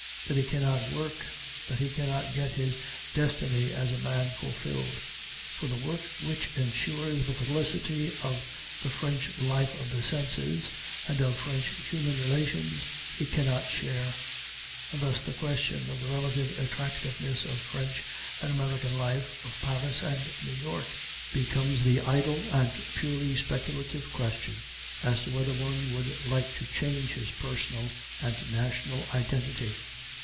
That he cannot work; that he cannot get his destiny as a man fulfilled." For the work which insures the felicity of the French life of the senses and of French human relations he cannot share; and, thus, the question of the relative attractiveness of French and American life of Paris and New York becomes the idle and purely speculative question as to whether one would like to change his personal and national identity.